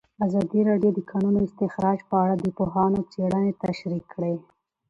ازادي راډیو د د کانونو استخراج په اړه د پوهانو څېړنې تشریح کړې.